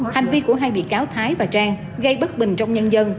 hành vi của hai bị cáo thái và trang gây bất bình trong nhân dân